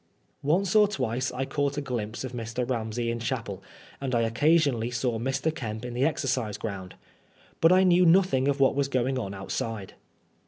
Once or twice I caught a glimpse of Mr. Ramsey in chapel, and I occasionaJly saw Mr. Kemp in the exer cise ground. But I knew nothing of what was going on outside.